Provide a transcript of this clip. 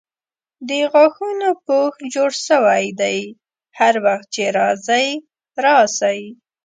د غاښونو پوښ جوړ سوی دی هر وخت چې راځئ راسئ.